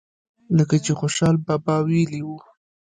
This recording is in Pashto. لکه چې خوشحال بابا وئيلي وو۔